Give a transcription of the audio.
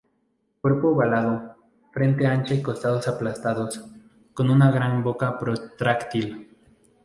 Cuerpo ovalado, frente ancha y costados aplastados, con una gran boca protráctil.